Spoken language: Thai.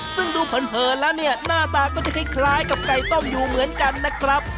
ซึ่งดูเผินแล้วเนี่ยหน้าตาก็จะคล้ายกับไก่ต้มอยู่เหมือนกันนะครับ